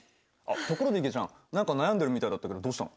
ところでいげちゃん何か悩んでるみたいだったけどどうしたの？